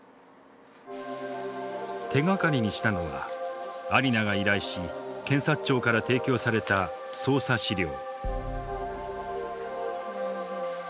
手がかりにしたのはアリナが依頼し検察庁から提供された捜査資料。